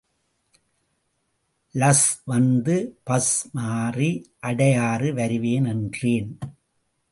லஸ் வந்து பஸ் மாறி அடையாறு வருவேன் என்றேன்.